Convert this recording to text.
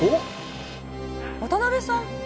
渡辺さん。